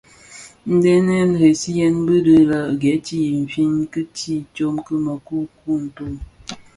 Bè dhëňrëňi dii di lè geeti in nfin kidhi tsom ki měkukuu, ntooto.